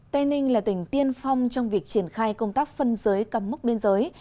tây ninh là tỉnh tiên phong trong việc triển khai công tác phân giới cắm mốc biên giới